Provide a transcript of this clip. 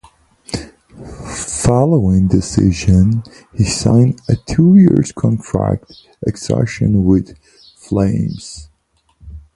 Following the season, he signed a two-year contract extension with the Flames.